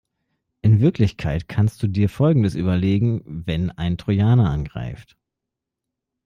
In Wirklichkeit kannst du dir Folgendes überlegen, wenn ein Trojaner angreift.